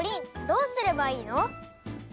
どうすればいいの？